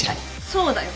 そうだよ。